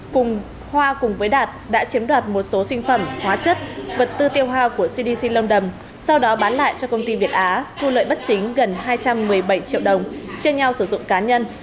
cùng hoa cùng với đạt đã chiếm đoạt một số sinh phẩm hóa chất vật tư tiêu hoa của cdc lâm đồng sau đó bán lại cho công ty việt á thu lợi bất chính gần hai trăm một mươi bảy triệu đồng chia nhau sử dụng cá nhân